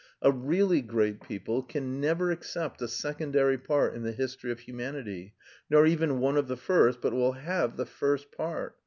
A really great people can never accept a secondary part in the history of Humanity, nor even one of the first, but will have the first part.